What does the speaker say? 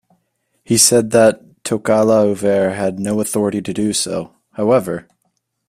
He said that Tokalauvere had no authority to do so, however.